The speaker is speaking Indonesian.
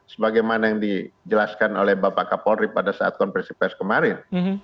sebagaimana yang dijelaskan oleh bapak kapolri pada saat konversi pers kemarin